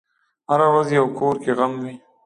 هره ورځ یو کور کې غم وي.